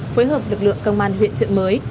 phối hợp lực lượng công an huyện trợ mới